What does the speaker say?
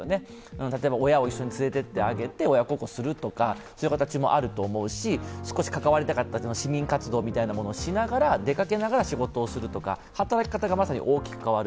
例えば親を一緒に連れていって親孝行するとか、少し関わりたかった市民活動みたいなものをしながら、出かけながら仕事をするとか、働き方が大きく変わる。